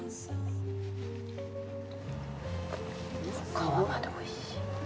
皮までおいしい。